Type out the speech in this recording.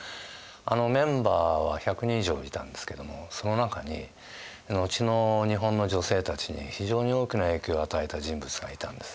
あのメンバーは１００人以上いたんですけどもその中に後の日本の女性たちに非常に大きな影響を与えた人物がいたんです。